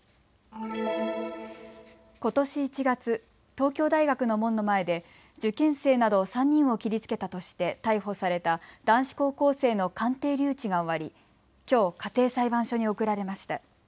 ことし１月、東京大学の門の前で受験生など３人を切りつけたとして逮捕された男子高校生の鑑定留置が終わりきょう家庭裁判所に送られました。